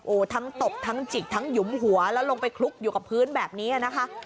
โอ้โหทั้งตบทั้งจิกทั้งหยุมหัวแล้วลงไปคลุกอยู่กับพื้นแบบนี้นะคะ